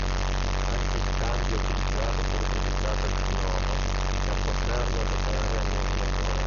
Anche il cambio utilizzato fu riprogettato ex-novo per poterlo adattare al nuovo motore.